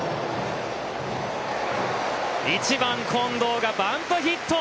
１番近藤がバントヒット。